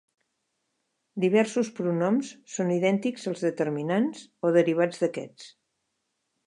Diversos pronoms són idèntics als determinants o derivats d'aquests.